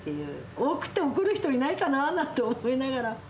多くて怒る人いないかななんて思いながら。